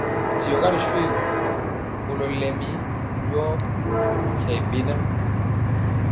Diɔga ri shoégu, kɔlo bilɛmi yor tyebɛna.